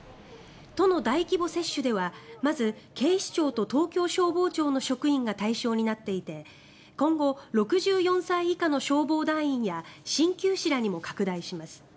都の大規模接種ではまず、警視庁と東京消防庁の職員が対象になっていて今後６４歳以下の消防団員や鍼灸師らにも拡大します。